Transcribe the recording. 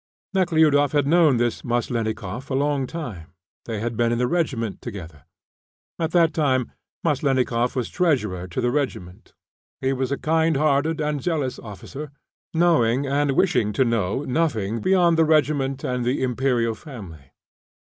Nekhludoff had known this Maslennikoff a long time; they had been in the regiment together. At that time Maslennikoff was treasurer to the regiment. He was a kind hearted and zealous officer, knowing and wishing to know nothing beyond the regiment and the Imperial family.